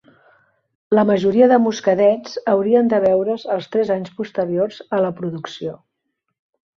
La majoria de muscadets haurien de beure"s als tres anys posteriors a la producció.